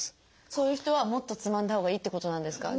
そういう人はもっとつまんだほうがいいってことなんですか？